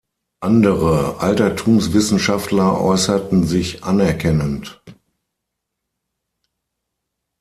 Andere Altertumswissenschaftler äußerten sich anerkennend.